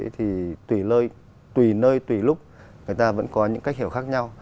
thì tùy nơi tùy lúc người ta vẫn có những cách hiểu khác nhau